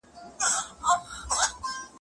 چې څه مې ورته وویل؟